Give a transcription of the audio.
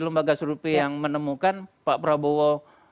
lembaga survei yang menemukan pak prabowo